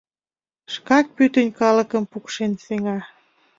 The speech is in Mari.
Шкак пӱтынь калыкым пукшен сеҥа...